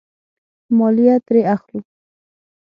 مالیه ترې اخلو.